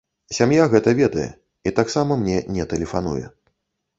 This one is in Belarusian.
Сям'я гэта ведае і таксама мне не тэлефануе.